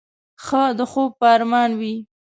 ښه د خوب په ارمان وې.